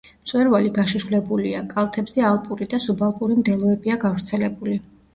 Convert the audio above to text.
მწვერვალი გაშიშვლებულია, კალთებზე ალპური და სუბალპური მდელოებია გავრცელებული.